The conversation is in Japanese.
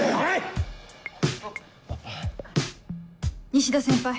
西田先輩